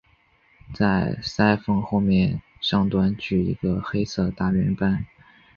在鳃缝后面上端据一个黑色大圆斑。